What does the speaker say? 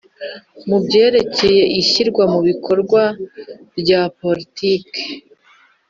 Mu byerekeye ishyirwa mu bikorwa rya politiki